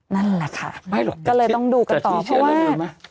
นั่นแหละค่ะก็เลยต้องดูกันต่อเพราะว่า